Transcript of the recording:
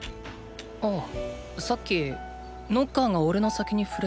あさっきノッカーがおれの先に触れてて。